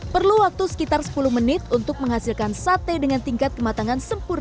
perlu waktu sekitar sepuluh menit untuk menghasilkan sate dengan tingkat kematangan sempurna